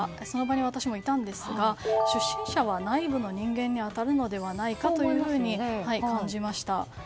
その場に私もいたんですが出身者は内部の人間に当たるのではないかと感じました。